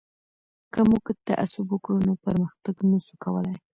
که موږ تعصب وکړو نو پرمختګ نه سو کولای.